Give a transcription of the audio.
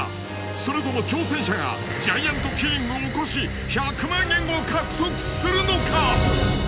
それとも挑戦者がジャイアントキリングを起こし１００万円を獲得するのか！？